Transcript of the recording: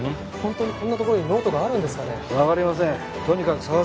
本当にこんなところにノートがあるんですかね。